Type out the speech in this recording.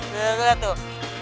gak ada tuh